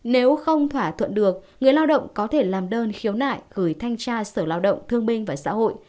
nếu không thỏa thuận được người lao động có thể làm đơn khiếu nại gửi thanh tra sở lao động thương minh và xã hội